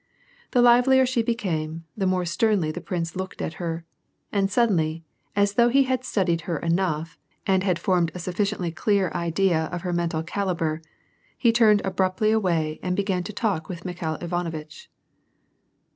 The livelier she became, the more sternly the prince looked at her, and suddenly, as though he had studied her enough, and had formed a sufficiently clear idea of her mental calibre, he turned abruptly away and began to talk with Mikhail Ivanovitch.